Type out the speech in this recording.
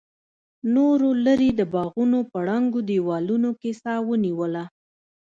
نورو لرې د باغونو په ړنګو دیوالونو کې سا ونیوله.